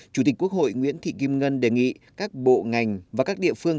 chủ tịch quốc hội nguyễn thị kim ngân đề nghị các bộ ngành và các địa phương